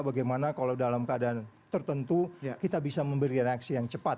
bagaimana kalau dalam keadaan tertentu kita bisa memberikan reaksi yang cepat